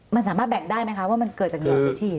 มันสามารถแบ่งได้ไหมคะว่ามันเกิดจากหยอดหรือฉีด